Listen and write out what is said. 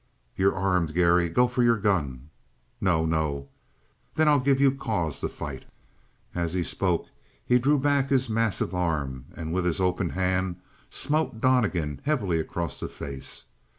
"You're armed, Garry. Go for your gun!" "No, no!" "Then I'll give you cause to fight." And as he spoke, he drew back his massive arm and with his open hand smote Donnegan heavily across the face.